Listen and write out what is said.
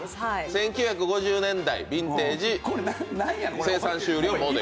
１９５０年代、ビンテージ、生産終了モデル。